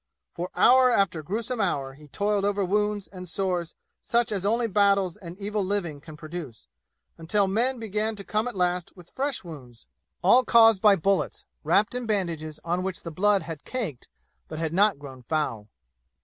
For hour after gruesome hour he toiled over wounds and sores such as only battles and evil living can produce, until men began to come at last with fresh wounds, all caused by bullets, wrapped in bandages on which the blood had caked but had not grown foul.